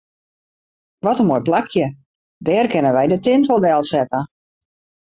Wat in moai plakje, dêr kinne wy de tinte wol delsette.